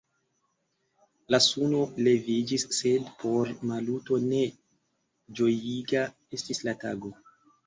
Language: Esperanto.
La suno leviĝis, sed por Maluto ne ĝojiga estis la tago.